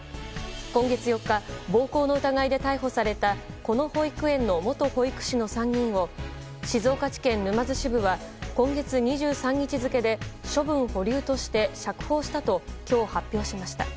今月４日暴行の疑いで逮捕されたこの保育園の元保育士の３人を静岡地検沼津支部は今月２３日付で処分保留として釈放したと今日、発表しました。